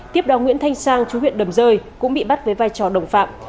tiếp đó nguyễn thanh sang chú huyện đầm rơi cũng bị bắt với vai trò đồng phạm